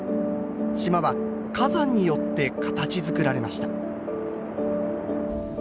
島は火山によって形づくられました。